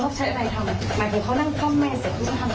เขาใช้อะไรทำหมายถึงเขานั่งก้อมแม่เสร็จพี่ก็ทำอะไร